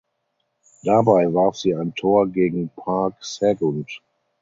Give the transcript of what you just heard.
Dabei warf sie ein Tor gegen Parc Sagunt.